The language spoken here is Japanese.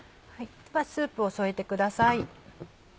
ではスープを添えてください。